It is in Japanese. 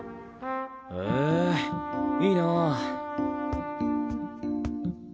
へいいなぁ。